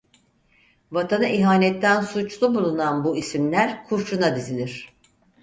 Vatana ihanetten suçlu bulunan bu isimler kurşuna dizilir.